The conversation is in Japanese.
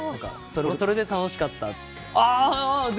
それが楽しかった。